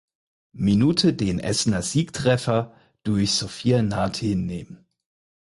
Minute den Essener Siegtreffer durch Sofia Nati hinnehmen.